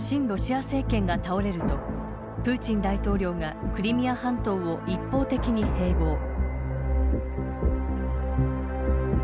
ロシア政権が倒れるとプーチン大統領がクリミア半島を一方的に併合。